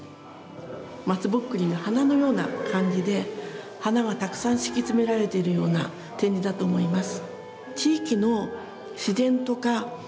まつぼっくりが花のような感じで花がたくさん敷き詰められてるような展示だと思います。